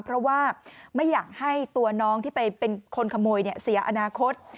เพราะว่าไม่อยากให้ตัวน้องที่ไปเป็นคนขโมยเสียอนาคต